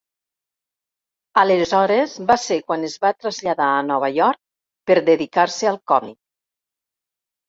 Aleshores va ser quan es va traslladar a Nova York per dedicar-se al còmic.